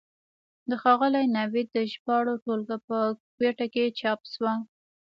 د ښاغلي نوید د ژباړو ټولګه په کوټه کې چاپ شوه.